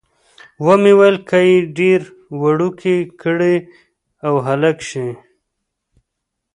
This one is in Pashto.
ومې ویل، که یې ډېره وړوکې کړي او هلک شي.